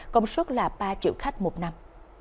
công suất là ba triệu khách một năm